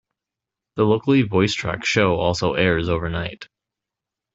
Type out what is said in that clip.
A locally voicetracked show also airs overnight.